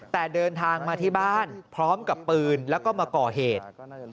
แต่เดินทางมาที่บ้านพร้อมกับปืนแล้วก็มาก่อเหตุ